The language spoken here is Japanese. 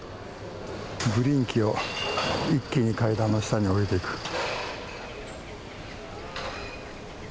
ブリンキオ一気に階段の下におりてく。